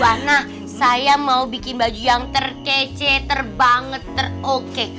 warna saya mau bikin baju yang terkece terbanget teroke